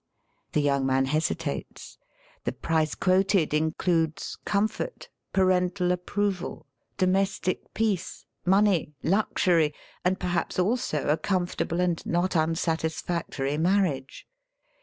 The young man hesitates. The price quoted includes comfort, parental approval, do mestic peace, money, luxury, and perhaps also a comfortable and not unsatisfactory marriage.